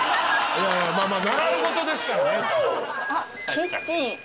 キッチン。